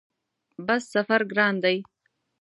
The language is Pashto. بس سفر ګران دی؟